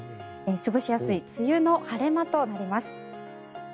過ごしやすい梅雨の晴れ間となります。